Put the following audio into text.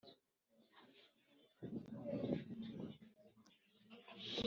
ijuru n isi bikomoka he izuba ukwezi inyenyeri